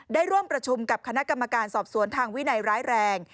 ได้ร่วมประชุมกับคณะกรรมการสอบสวนทางวินัยร้ายแรง